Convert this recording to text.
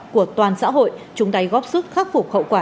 của toàn xã hội chúng ta góp sức khắc phục hậu quả